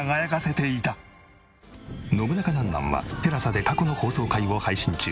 『ノブナカなんなん？』はＴＥＬＡＳＡで過去の放送回を配信中。